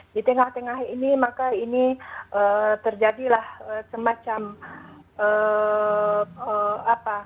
di tengah tengah ini maka ini terjadilah semacam apa